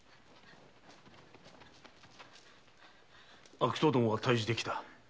悪党どもは退治できた。